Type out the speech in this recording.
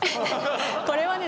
これはね